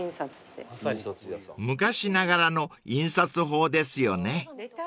［昔ながらの印刷法ですよね］